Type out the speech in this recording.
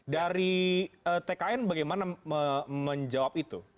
dari tkn bagaimana menjawab itu